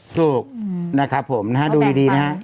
ถูกนะครับผมนะฮะดูดีนะฮะ